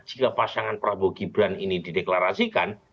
jika pasangan prabowo gibran ini dideklarasikan